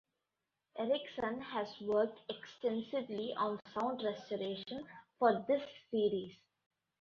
Erikson has worked extensively on sound restoration for this series.